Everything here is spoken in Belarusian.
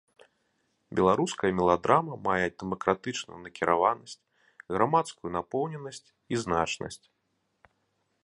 Беларуская меладрама мае дэмакратычную накіраванасць, грамадскую напоўненасць і значнасць.